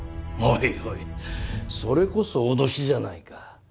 おいおいそれこそ脅しじゃないか。